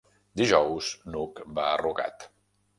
Dijous n'Hug va a Rugat.